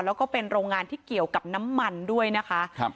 แล้วก็เป็นโรงงานที่เกี่ยวกับน้ำมันด้วยนะคะครับ